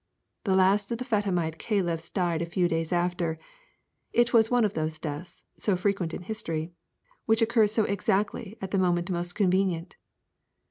The last of the Fatimite caliphs died a few days after: it was one of those deaths, so frequent in history, which occur so exactly at the moment most convenient.